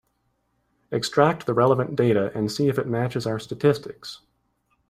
Extract the relevant data and see if it matches our statistics.